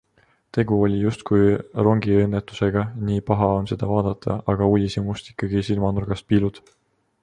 Tegu oli justkui rongiõnnetusega - nii paha on seda vaadata, aga uudishimust ikkagi silmanurgast piilud.